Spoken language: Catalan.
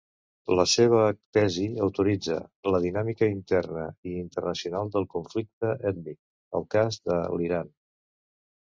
La seva tesi autoritza "la dinàmica interna i internacional del conflicte ètnic: el cas de l'Iran".